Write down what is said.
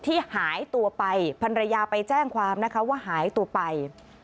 ที่หายตัวไปภรรยาไปแจ้งความว่าหายตัวไป